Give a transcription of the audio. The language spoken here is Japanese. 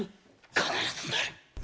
必ずなる。